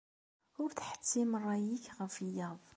Ur ttḥettim ṛṛay-nnek ɣef wiyaḍ.